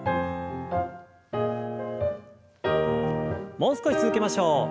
もう少し続けましょう。